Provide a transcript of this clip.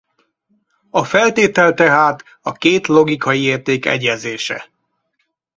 A feltétel tehát a két logikai érték egyezése.